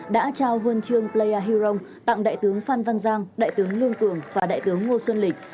đã trao quân trương plea huron tặng đại tướng phan văn giang đại tướng lương cường và đại tướng ngô xuân lịch